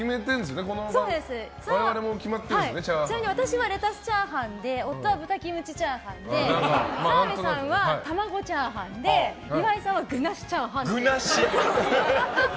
私はキャベツチャーハンで夫は豚キムチチャーハンで澤部さんは卵チャーハンで岩井さんは具なしチャーハン。